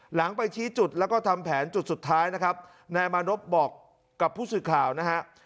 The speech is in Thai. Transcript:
หลังไปชี้จุดแล้วก็ทำแผนจุดสุดท้ายนะครับนายมานพบอกกับผู้สื่อข่าวนะฮะ